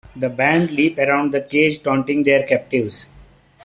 The band leap around the cage taunting their captives.